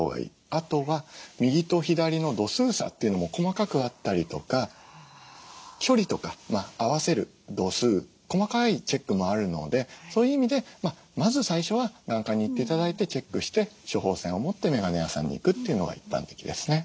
あとは右と左の度数差というのも細かくあったりとか距離とか合わせる度数細かいチェックもあるのでそういう意味でまず最初は眼科に行って頂いてチェックして処方箋を持ってメガネ屋さんに行くというのが一般的ですね。